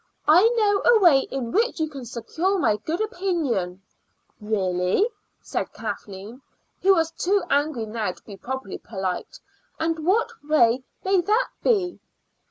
I know a way in which you can secure my good opinion." "Really!" said Kathleen, who was too angry now to be properly polite. "And what may that way be?"